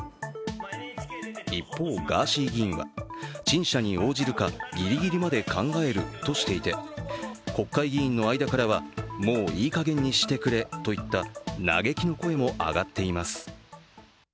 一方、ガーシー議員は陳謝に応じるかギリギリまで考えるとしていて国会議員の間からはもういい加減にしてくれといった嘆きの声も上がっています。